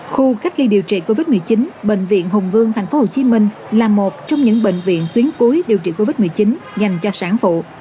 khu cách ly điều trị covid một mươi chín bệnh viện hùng vương tp hcm là một trong những bệnh viện tuyến cuối điều trị covid một mươi chín dành cho sản phụ